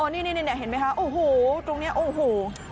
นี่เห็นไหมคะโอ้โหตรงนี้โอ้โห